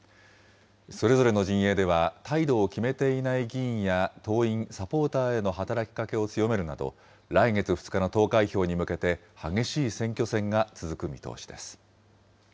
それぞれの陣営では、態度を決めていない議員や、党員・サポーターへの働きかけを強めるなど、来月２日の投開票に向けて激しい選挙戦が続く見通しです。